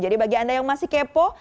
jadi bagi anda yang masih kepo